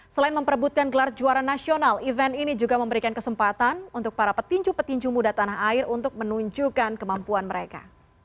selain memperbutkan gelar juara nasional event ini juga memberikan kesempatan untuk para petinju petinju muda tanah air untuk menunjukkan kemampuan mereka